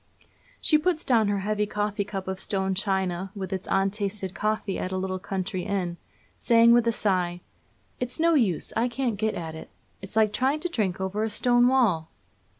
She puts down her heavy coffee cup of stone china with its untasted coffee at a little country inn, saying, with a sigh: 'It's no use; I can't get at it; it's like trying to drink over a stone wall.'